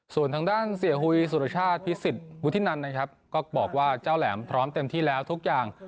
ส่วนทางด้านเสียหุยสุรชาติพิสิทธิวุฒินันนะครับก็บอกว่าเจ้าแหลมพร้อมเต็มที่แล้วทุกอย่าง